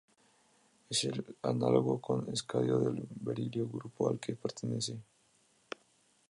Es el análogo con escandio del berilo, grupo al que pertenece.